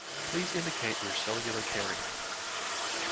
Please indicate your cellular carrier.